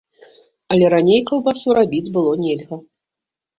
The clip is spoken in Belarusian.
Але раней каўбасу рабіць было нельга.